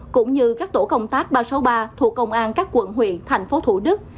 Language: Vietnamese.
cũng như các tổ công tác ba trăm sáu mươi ba thuộc công an các quận huyện thành phố thủ đức